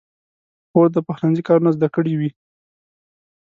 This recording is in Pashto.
خور د پخلنځي کارونه زده کړي وي.